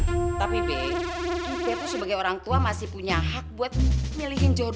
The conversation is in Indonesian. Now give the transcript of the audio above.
tapi be kita tuh sebagai orang tua masih punya hak buat milihin jodohan